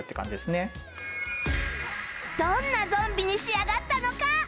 どんなゾンビに仕上がったのか？